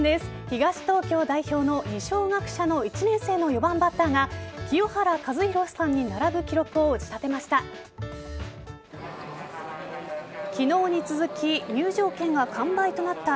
東東京代表の二松学舎の１年生の４番バッターが清原和博さんに並ぶ記録を打ち立てました。